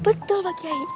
betul pak kiai